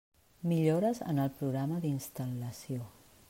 Millores en el programa d'instal·lació.